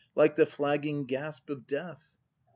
Like the flagging gasp of death!